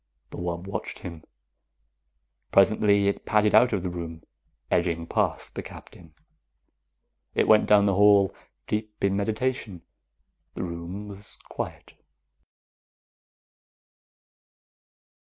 The wub watched him. Presently it padded out of the room, edging past the Captain. It went down the hall, deep in meditation. The room was quiet.